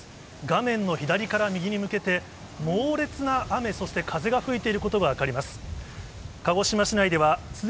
画面の左から右に向けて、猛烈な雨、そして風が吹いていることが分かります。